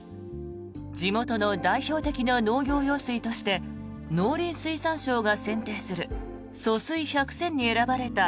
地元の代表的な農業用水として農林水産省が選定する疏水百選に選ばれた